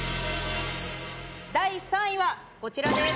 第３位はこちらです。